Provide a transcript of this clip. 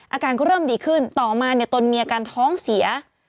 อาการก็เริ่มดีขึ้นต่อมาเนี่ยตนมีอาการท้องเสีย